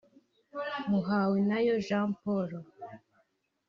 Muhawenayo Jean Paul